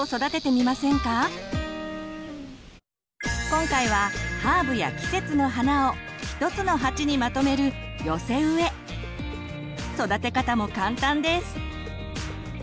今回はハーブや季節の花を一つの鉢にまとめる育て方も簡単です。